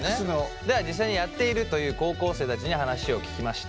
では実際にやっているという高校生たちに話を聞きました。